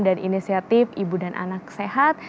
dan inisiatif ibu dan anak sehat